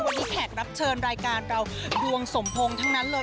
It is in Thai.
วันนี้แขกรับเชิญรายการเราดวงสมพงษ์ทั้งนั้นเลย